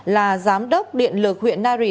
là giám đốc điện lực huyện nari